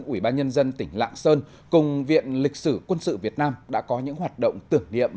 ủy ban nhân dân tỉnh lạng sơn cùng viện lịch sử quân sự việt nam đã có những hoạt động tưởng niệm